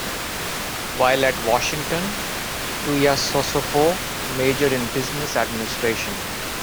While at Washington, Tuiasosopo majored in business administration.